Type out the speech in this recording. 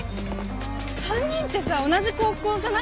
３人ってさ同じ高校じゃない？